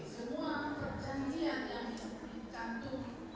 semua perjanjian yang dikantum